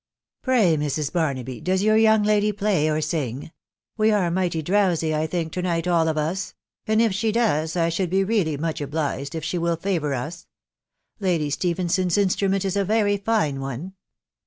" Pray, Mrs. Barnaby, does your young lady play or sing ? We are mighty drowsy, I think, to night, all of us ; and if she does, I should be really much obliged if she 'will favour R8' Lady Stephenson's instrument is a very fine OTe."